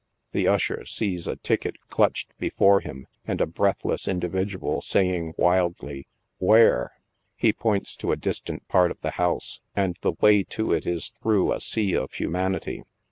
The usher see3 a ticket clutched before him, and a breathless individual saying wildly, " where !" He points to a distant part of the house, and the way to it is through a sea of humanity.